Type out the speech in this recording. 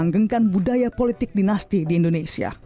dan budaya politik dinasti di indonesia